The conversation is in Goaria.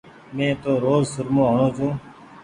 مي تو روز سرمو هڻو ڇون ۔